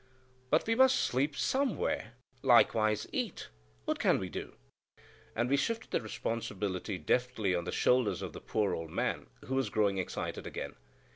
"But we must sleep somewhere, likewise eat. What can we do?" and we shifted the responsibility deftly on the shoulders of the poor old man, who was growing excited again.